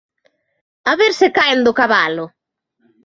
¡A ver se caen do cabalo!